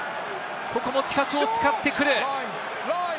ここも近くを使ってくる。